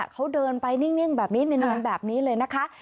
เขาเดินไปนิ่งแบบนี้เนียนแบบนี้เลยนะคะ